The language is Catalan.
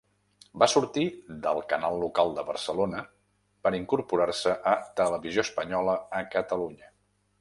Va sortir del canal local de Barcelona per incorporar-se a Televisió Espanyola a Catalunya.